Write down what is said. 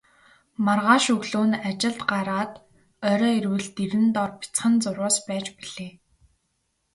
Маргааш өглөө нь ажилд гараад орой ирвэл дэрэн доор бяцхан зурвас байж билээ.